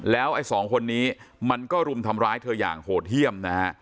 แล้วไอ้สองคนนี้มันก็รุมทำร้ายเธออย่างโหดเยี่ยมนะฮะ